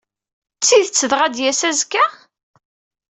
D tidet dɣa, ad d-yas azekka?